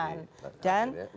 dan yang ini